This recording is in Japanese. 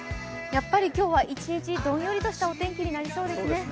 やっぱり今日は一日どんよりとしたお天気になりそうですね。